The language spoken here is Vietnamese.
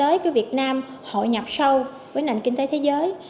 doanh nghiệp việt nam hội nhập sâu với nền kinh tế thế giới